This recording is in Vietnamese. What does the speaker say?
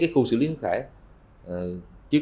khu xử lý môi trường